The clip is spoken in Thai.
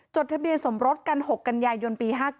จดทะเบียนสมรสกันหกกันใหญ่ยนต์ปี๕๙